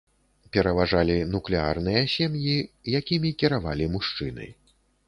Пераважалі нуклеарныя сем'і, якімі кіравалі мужчыны.